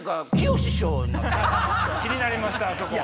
気になりましたあそこ。